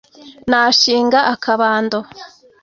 Nashinga akabando